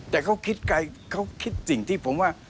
แต่เขาคิดไกลเขาคิดสิ่งที่ผมว่า